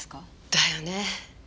だよね。